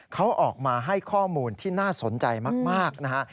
เขาออกมาให้ข้อมูลที่น่าสนใจมากนะฮะ